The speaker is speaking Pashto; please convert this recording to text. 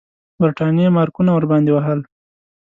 برټانیې مارکونه ورباندې وهل.